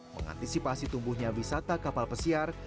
mengantisipasi tumbuhnya wisata kapal pesiar